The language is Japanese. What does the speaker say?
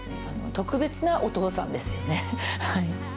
特別なお父さんですよね。